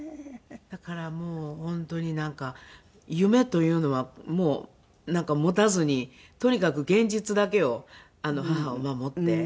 だから本当になんか夢というのはもう持たずにとにかく現実だけを母を守って。